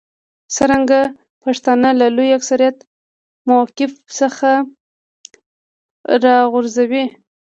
څرنګه پښتانه له لوی اکثریت موقف څخه راوغورځوي.